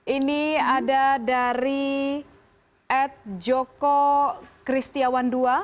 ini ada dari ed joko kristiawan ii